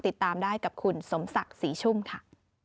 ติดตามได้กับคุณสมศักดิ์ศรีชุ่มค่ะ